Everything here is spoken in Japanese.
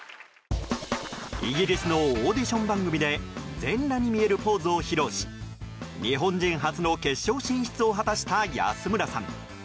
イギリスのオーディション番組で全裸に見えるポーズを披露し日本人初の決勝進出を果たした安村さん。